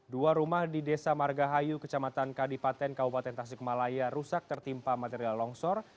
dua rumah di desa margahayu kecamatan kadipaten kabupaten tasikmalaya rusak tertimpa material longsor